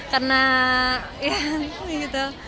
karena ya gitu